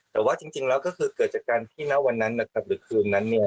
แต่ว่าจริงแล้วก็คือเกิดจากการทหินเยอะวันนั้นน่ะ